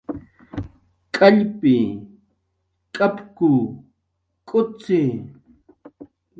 K'allpi, k'apku, k'ucxi